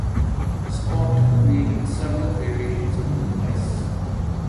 Scott created several variations of the device.